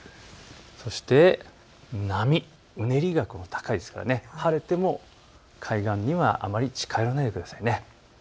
そして波、うねりが高いですから晴れても海岸にはあまり近寄らないでくださいね。